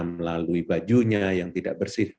melalui bajunya yang tidak bersih